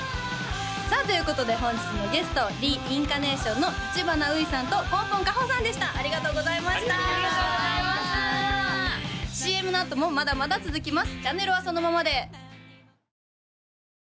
さあということで本日のゲストＲｅ：ＩＮＣＡＲＮＡＴＩＯＮの立花憂衣さんとこんぽん夏穂さんでしたありがとうございましたありがとうございましたＣＭのあともまだまだ続きます